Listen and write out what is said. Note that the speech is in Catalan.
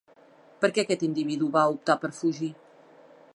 Per què aquest individu va optar per fugir?